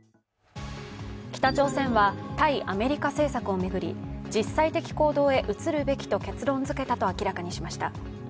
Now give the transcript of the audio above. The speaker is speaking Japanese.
北朝鮮は、対アメリカ政策を巡り実際的行動へ移るべきと結論づけたと明らかにしました。